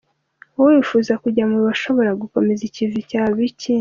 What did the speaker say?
Wowe wifuza kujya mu bashobora gukomeza ikivi cya Bikindi,